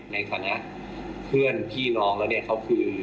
ในฐานะเพื่อนพี่น้องแล้วเนี่ยเขาคือ